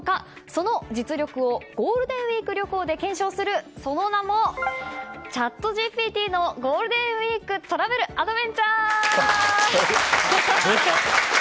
その実力をゴールデンウィーク旅行で検証するその名も、チャットＧＰＴのゴールデンウィークトラベルアドベンチャー。